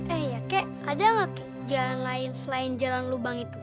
eh ya kek ada waktu jalan lain selain jalan lubang itu